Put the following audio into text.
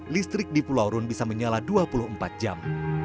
listrik di pulau rune bisa menyala dua puluh empat jam